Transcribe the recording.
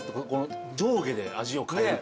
・上下で味を変える。